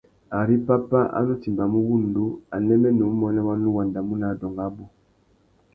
Ari pápá a nu timbamú wŭndú, anêmê nà umuênê wa nu wandamú nà adôngô abú.